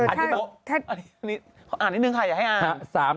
อันนี้แบบอันนี้อันนี้นึงใครอยากให้อ่าน